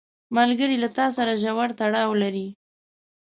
ملګری له تا سره ژور تړاو لري